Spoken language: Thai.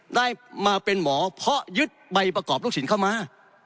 ได้มาเป็นหมอเพราะยึดใบประกอบลูกศิลปเข้ามา